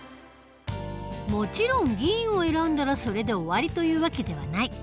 もちろん議員を選んだらそれで終わりという訳ではない。